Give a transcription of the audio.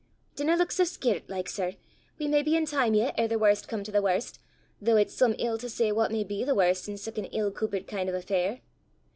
Dinna luik sae scaret like, sir; we may be in time yet er' the warst come to the warst, though it's some ill to say what may be the warst in sic an ill coopered kin' o' affair!